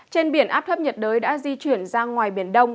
trên biển áp thấp nhiệt đới đã di chuyển ra ngoài biển đông